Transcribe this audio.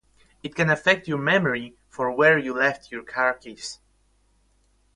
It can affect your memory for where you left your car keys.